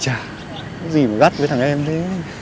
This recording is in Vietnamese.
cái gì mà gắt với thằng em thế